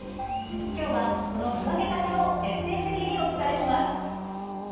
今日はその見分け方を徹底的にお伝えします。